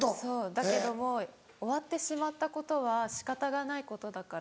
だけども終わってしまったことは仕方がないことだから。